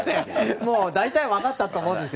もう大体分かったと思いますが。